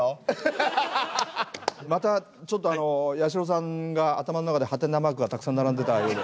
またちょっと八代さんが頭の中ではてなマークがたくさん並んでたようで。